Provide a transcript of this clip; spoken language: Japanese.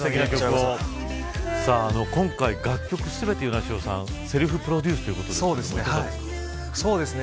今回、楽曲全て與那城さん、セルフプロデュースということですね。